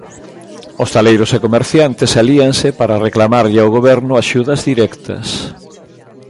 Hostaleiros e comerciantes alíanse para reclamarlle ao Goberno axudas directas.